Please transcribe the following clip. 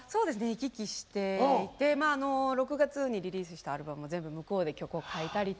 行き来していて６月にリリースしたアルバム全部向こうで曲を書いたりとか。